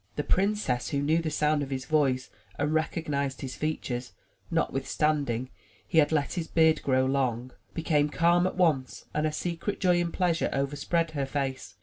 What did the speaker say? '' The princess, who knew the sound of his voice and recognized his features, notwithstanding he had let his beard grow long, became calm at once and a secret joy and pleasure overspread her face.